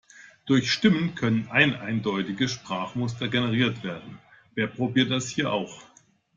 Durch Stimmen können eineindeutige Sprachmuster generiert werden - wer probiert das hier auch?